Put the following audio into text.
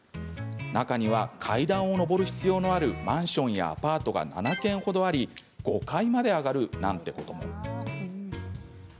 中には階段を上る必要のあるマンションやアパートが７軒ほどあり５階まで上がるなんてことも。